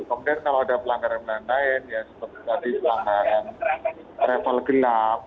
kemudian kalau ada pelanggaran pelanggaran lain ya seperti tadi pelanggaran travel genap